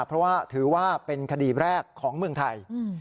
เพราะว่าถือว่าเป็นคดีแรกของเมืองไทย